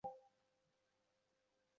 জাকারিয়া উঠে দাঁড়ালেন।